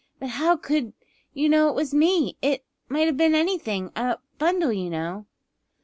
But how could you know it was me? It it might have been anything a bundle, you know."